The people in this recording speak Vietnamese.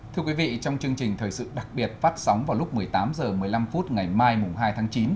thưa quý vị trong chương trình thời sự đặc biệt phát sóng vào lúc một mươi tám h một mươi năm phút ngày mai hai tháng chín